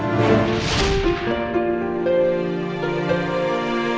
kepala bung su